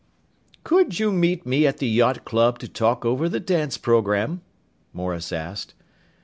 "Could you meet me at the yacht club to talk over the dance program?" Morris asked.